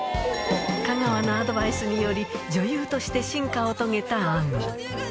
香川のアドバイスにより、女優として進化を遂げた杏。